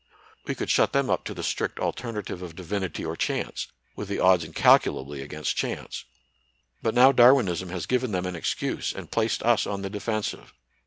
We could shut them up to the strict alternative of Divinity or Chance, with the odds incalculably against Chance. But now Darwinism has given them an excuse and placed us on the defensive.